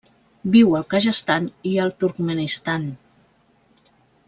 Viu al Kazakhstan i el Turkmenistan.